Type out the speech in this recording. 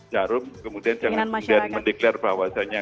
jarum kemudian jangan kemudian mendeklar bahwasannya